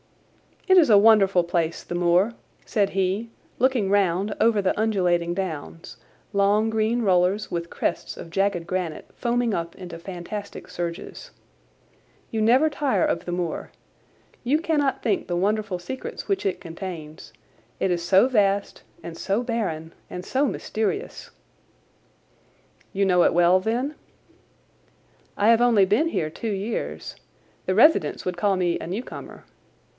"It is a wonderful place, the moor," said he, looking round over the undulating downs, long green rollers, with crests of jagged granite foaming up into fantastic surges. "You never tire of the moor. You cannot think the wonderful secrets which it contains. It is so vast, and so barren, and so mysterious." "You know it well, then?" "I have only been here two years. The residents would call me a newcomer.